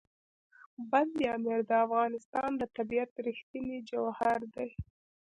بند امیر د افغانستان د طبیعت رښتینی جوهر دی.